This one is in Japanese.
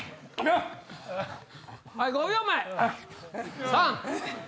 はい５秒前。